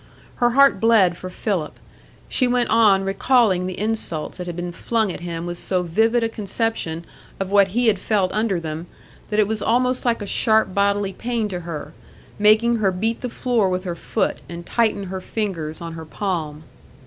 Her heart bled for Philip; she went on recalling the insults that had been flung at him with so vivid a conception of what he had felt under them, that it was almost like a sharp bodily pain to her, making her beat the floor with her foot and tighten her fingers on her palm.